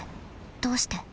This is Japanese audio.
どうして？